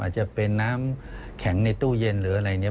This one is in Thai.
จะเป็นน้ำแข็งในตู้เย็นหรืออะไรเนี่ย